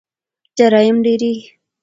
جرایم ډیریږي.